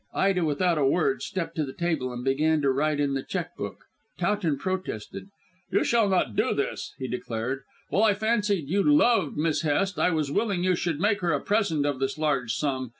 Ida without a word stepped to the table and began to write in the cheque book. Towton protested. "You shall not do this," he declared. "While I fancied you loved Miss Hest, I was willing you should make her a present of this large sum.